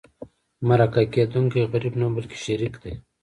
مرکه کېدونکی غریب نه بلکې شریك دی.